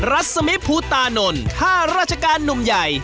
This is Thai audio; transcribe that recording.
รัศมิภูตานนท้าราชการหนุ่มใหญ่